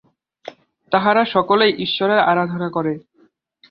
তাহারা সকলেই ঈশ্বরের আরাধনা করে।